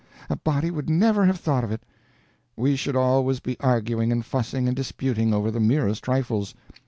A body would never have thought of it." "We should always be arguing and fussing and disputing over the merest trifles.